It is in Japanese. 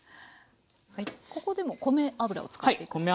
ここでも米油を使っていくんですね。